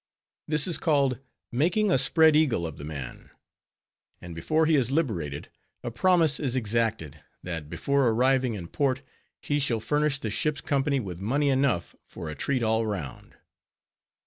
This is called "making a spread eagle" of the man; and before he is liberated, a promise is exacted, that before arriving in port, he shall furnish the ship's company with money enough for a treat all round.